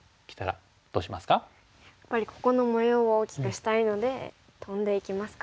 やっぱりここの模様を大きくしたいのでトンでいきますか。